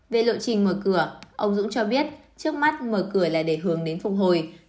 về lộ trình mở cửa ông dũng cho biết trước mắt mở cửa là để hướng đến phục hồi